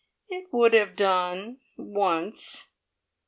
"It would have done once.